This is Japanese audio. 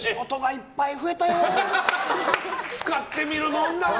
使ってみるもんですね。